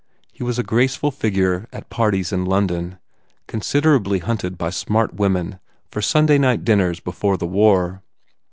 He was a graceful figure at parties in London, considerably hunted by smart women for Sunday night dinners before the war.